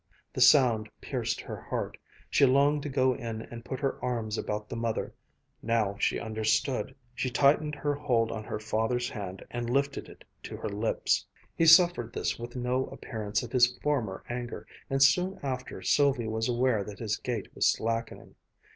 The sound pierced her heart. She longed to go in and put her arms about the mother. Now she understood. She tightened her hold on her father's hand and lifted it to her lips. He suffered this with no appearance of his former anger, and soon after Sylvia was aware that his gait was slackening.